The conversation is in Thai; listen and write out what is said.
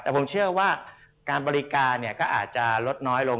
แต่ผมเชื่อการบริการเนี่ยก็อาจจะลดน้อยลง